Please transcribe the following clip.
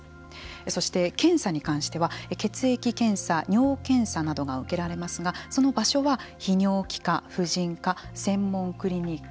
そして検査に関しては血液検査、尿検査などが受けられますがその場所は泌尿器科、婦人科専門クリニック。